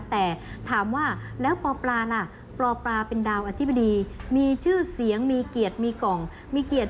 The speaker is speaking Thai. แต่ถามว่าแล้วปปลาล่ะปปลาเป็นดาวอธิบดีมีชื่อเสียงมีเกียรติมีกล่องมีเกียรติ